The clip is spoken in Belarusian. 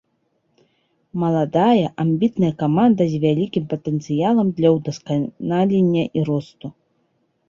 Маладая, амбітная каманда з вялікім патэнцыялам для ўдасканалення і росту.